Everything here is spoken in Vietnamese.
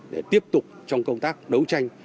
để tiếp tục trong công tác đấu tranh